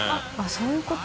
そういうこと？